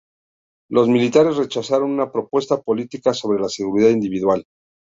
Los militares rechazaron una propuesta política sobre la seguridad individual.